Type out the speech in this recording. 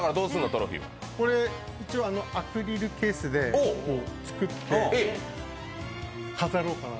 これ、一応アクリルケースで作って飾ろうかなと。